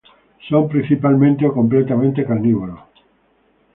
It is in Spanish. Son principalmente o completamente carnívoros.